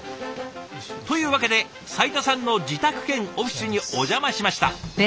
というわけで斉田さんの自宅兼オフィスにお邪魔しました。